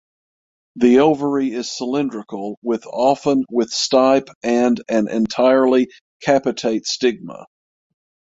The ovary is cylindrical with often with stipe and an entirely capitate stigma.